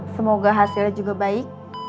semoga hasilnya juga baik